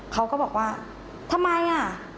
เขาก็บอกว่าทำไมอ่ะ